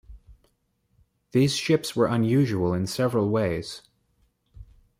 These ships were unusual in several ways.